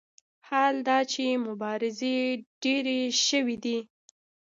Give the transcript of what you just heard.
حال دا چې مبارزې ډېرې شوې دي.